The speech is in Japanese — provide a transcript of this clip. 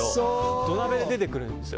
土鍋で出てくるんですよ。